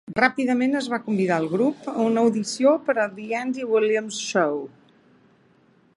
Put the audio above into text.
Ràpidament es va convidar el grup a una audició per a "The Andy Williams Show".